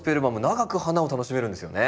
長く花を楽しめるんですよね？